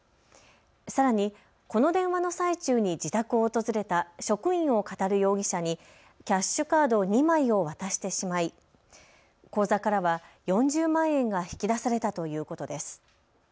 さらに、この電話の最中に自宅を訪れた職員をかたる容疑者にキャッシュカード２枚を渡してしまい口座からは４０万円が引き出されたということです。